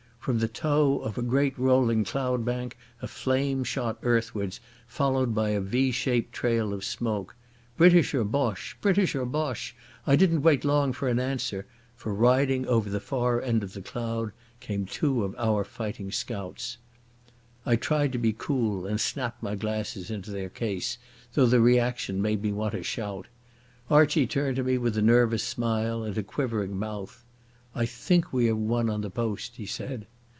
From the toe of a great rolling cloud bank a flame shot earthwards, followed by a V shaped trail of smoke. British or Boche? British or Boche? I didn't wait long for an answer. For, riding over the far end of the cloud, came two of our fighting scouts. I tried to be cool, and snapped my glasses into their case, though the reaction made me want to shout. Archie turned to me with a nervous smile and a quivering mouth. "I think we have won on the post," he said.